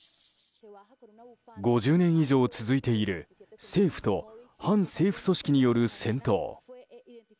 ５０年以上続いている政府と反政府組織による戦闘。